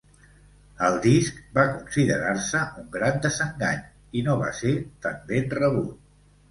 El disc va considerar-se un "gran desengany" i no va ser tan ben rebut.